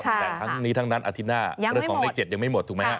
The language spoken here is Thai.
แต่ทั้งนี้ทั้งนั้นอาทิตย์หน้าเรื่องของเลข๗ยังไม่หมดถูกไหมฮะ